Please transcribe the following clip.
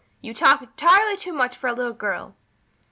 "You talk entirely too much for a little girl."